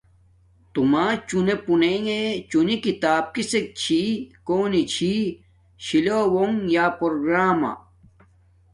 تو ما چونے پونݵ چونی کتاب کسک چھی کونی چھی۔ شی لونݣ یا پروگراما